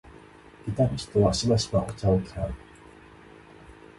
ギタリストはしばしばお茶を嫌う